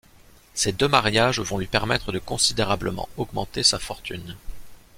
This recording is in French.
Ses deux mariages vont lui permettre de considérablement augmenté sa fortune.